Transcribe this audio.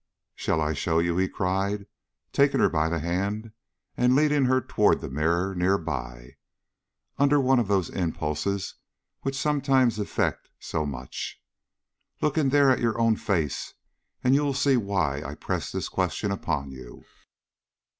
"Shall I show you?" he cried, taking her by the hand and leading her toward the mirror near by, under one of those impulses which sometimes effect so much. "Look in there at your own face and you will see why I press this question upon you."